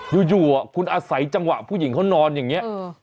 อยู่คุณอาศัยจังหวะผู้หญิงเขานอนอย่างนี้